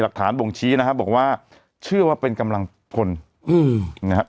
หลักฐานบ่งชี้นะครับบอกว่าเชื่อว่าเป็นกำลังพลอืมนะครับ